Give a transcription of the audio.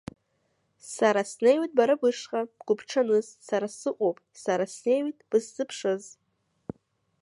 Сара снеиуеит бара бышҟа бгәыбҽаныз, сара сыҟоуп, сара снеиуеит бысзыԥшыз.